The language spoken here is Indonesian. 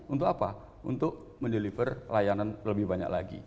untuk apa untuk me deliver layanan lebih banyak lagi